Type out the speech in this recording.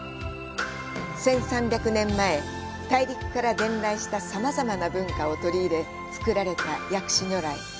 １３００年前、大陸から伝来したさまざまな文化を取り入れ、作られた薬師如来。